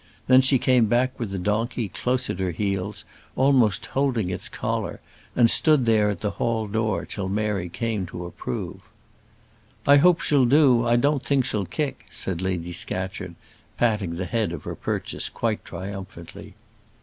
Then she came back with the donkey close at her heels, almost holding its collar, and stood there at the hall door till Mary came to approve. "I hope she'll do. I don't think she'll kick," said Lady Scatcherd, patting the head of her purchase quite triumphantly.